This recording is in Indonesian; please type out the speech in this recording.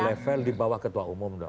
level di bawah ketua umum dong